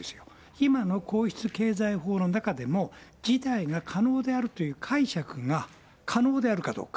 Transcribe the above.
今の皇室経済法の中でも、辞退が可能であるという解釈が可能であるかどうか。